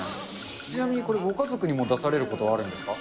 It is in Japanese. ちなみにこれ、ご家族に出されることはあるんですか？